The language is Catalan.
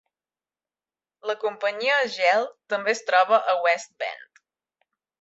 La companyia Gehl també es troba a West Bend.